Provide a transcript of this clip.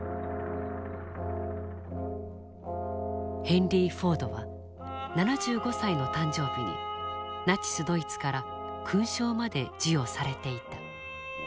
ヘンリー・フォードは７５歳の誕生日にナチス・ドイツから勲章まで授与されていた。